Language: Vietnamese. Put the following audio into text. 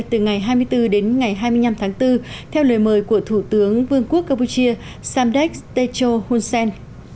từ ngày hai mươi bốn đến ngày hai mươi năm tháng bốn theo lời mời của thủ tướng vương quốc campuchia samdech techo hunsen